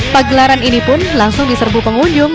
pagelaran ini pun langsung diserbu pengunjung